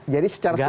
jadi secara substansi